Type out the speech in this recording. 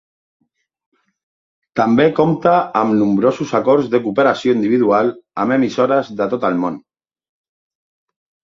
També compta amb nombrosos acords de cooperació individual amb emissores de tot el món.